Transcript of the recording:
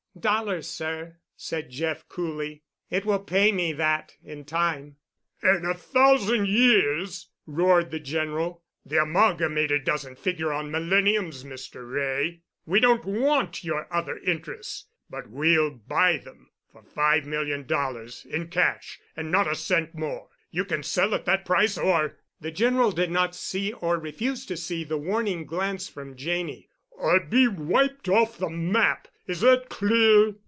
"Dollars, sir," said Jeff coolly. "It will pay me that—in time." "In a thousand years," roared the General. "The Amalgamated doesn't figure on millenniums, Mr. Wray. We don't want your other interests, but we'll buy them—for five million dollars—in cash—and not a cent more. You can sell at that price or—" the General did not see, or refused to see, the warning glance from Janney—"or be wiped off the map. Is that clear?"